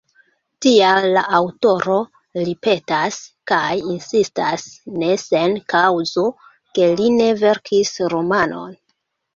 Tial la aŭtoro ripetas kaj insistas, ne sen kaŭzo, ke li ne verkis romanon.